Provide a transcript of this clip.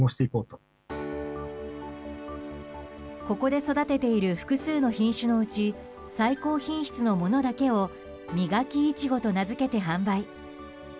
ここで育てている複数の品種のうち最高品質のものだけをミガキイチゴと名付けて販売。